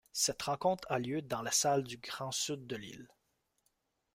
Cette rencontre a lieu dans la salle du Grand Sud de Lille.